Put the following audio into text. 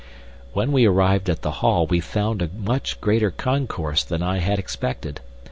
When we arrived at the hall we found a much greater concourse than I had expected.